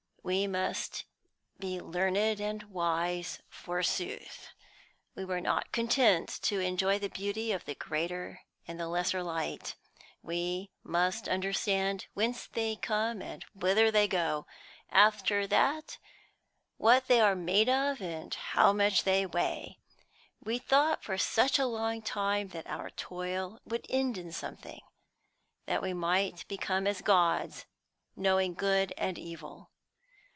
We must be learned and wise, forsooth. We were not content to enjoy the beauty of the greater and the lesser light. We must understand whence they come and whither they go after that, what they are made of and how much they weigh. We thought for such a long time that our toil would end in something; that we might become as gods, knowing good and evil.